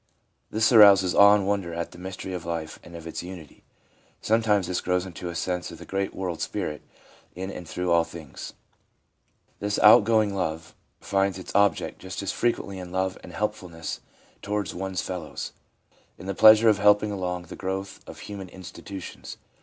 This arouses awe and wonder at the mystery of life and of its unity. Sometimes this grows into a sense of the great world spirit in and through all things/ This out going love finds its object just as frequently in love and helpfulness towards one's fellows ; in the pleasure of helping along the growth of human institutions.